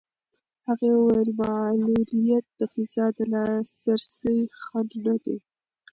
هغې وویل معلولیت د فضا د لاسرسي خنډ نه دی.